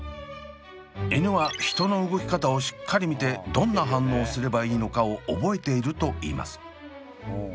犬は人の動き方をしっかり見てどんな反応をすればいいのかを覚えているといいます。